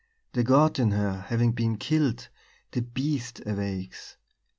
The god in her having been killed, the beast awakes.